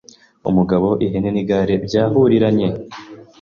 Umugabo, ihene n’igare byahuriranye.